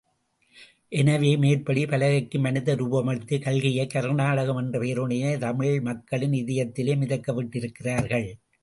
எனவே, மேற்படி பலகைக்கு மனித ரூபமளித்து கல்கியை கர்நாடகம் என்ற பெயருடனே தமிழ் மக்களின் இதயத்திலே மிதக்க விட்டிருக்கிறார்கள்.